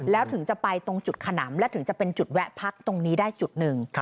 แล้วถึงจะไปตรงจุดขนำและถึงจะเป็นจุดแวะพักตรงนี้ได้จุดหนึ่ง